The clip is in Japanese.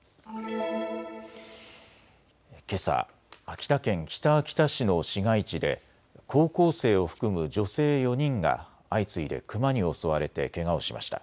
けさ、秋田県北秋田市の市街地で高校生を含む女性４人が相次いでクマに襲われてけがをしました。